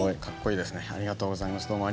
かっこいいですねありがとうございます。